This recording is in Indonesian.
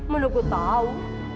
menurut gue tau